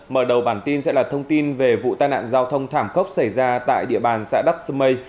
mở đầu bản tin sẽ là thông tin về vụ tai nạn giao thông thảm cốc xảy ra tại địa bàn xã đắk sư mây